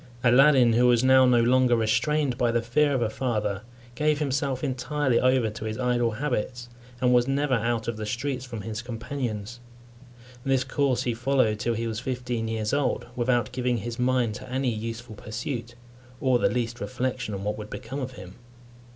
Aladdin, who was now no longer restrained by the fear of a father, gave himself entirely over to his idle habits, and was never out of the streets from his companions. This course he followed till he was fifteen years old, without giving his mind to any useful pursuit, or the least reflection on what would become of him.